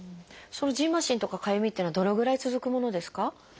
そのじんましんとかかゆみっていうのはどのぐらい続くものですか？